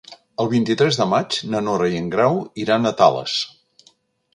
El vint-i-tres de maig na Nora i en Grau iran a Tales.